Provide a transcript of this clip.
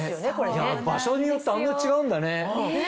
いや場所によってあんな違うんだね。